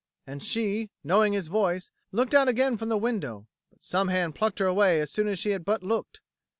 And she, knowing his voice, looked out again from the window; but some hand plucked her away as soon as she had but looked.